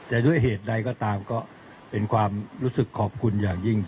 แต่ด้วยเหตุใดก็ตามก็เป็นความรู้สึกขอบคุณอย่างยิ่ง